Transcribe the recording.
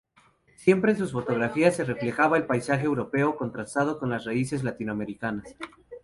Siempre en sus fotografías se reflejaba el paisaje europeo contrastado con las raíces latinoamericanas.